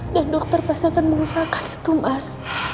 dan dokter pasti akan mengusahakan itu mas